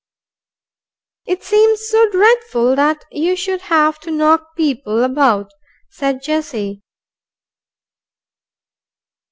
"It seems so dreadful that you should have to knock people about," said Jessie.